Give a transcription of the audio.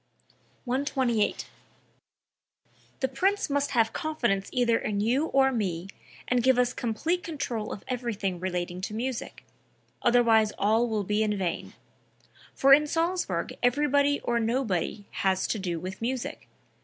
128. "The Prince must have confidence either in you or me, and give us complete control of everything relating to music; otherwise all will be in vain. For in Salzburg everybody or nobody has to do with music.